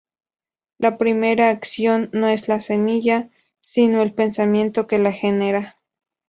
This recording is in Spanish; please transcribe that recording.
La primera acción no es la semilla, sino el pensamiento que la genera.